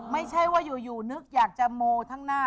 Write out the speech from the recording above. ไม่ใช่ว่าอยู่นึกอยากจะโมข้างหน้า